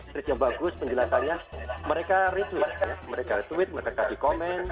trip yang bagus penjelatannya mereka retweet mereka retweet mereka kaki komen